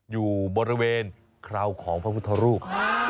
อยู่บริเวณคราวของพระพุทธรูป